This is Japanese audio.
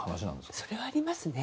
それはありますね。